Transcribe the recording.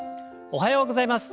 おはようございます。